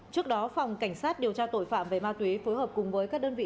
trước đó phòng cảnh sát điều tra tội phạm về ma túy phối hợp cùng với các đơn vị